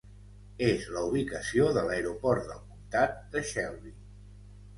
És la ubicació de l'aeroport del comptat de Shelby.